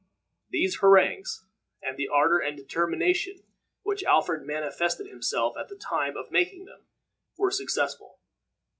These harangues, and the ardor and determination which Alfred manifested himself at the time of making them, were successful.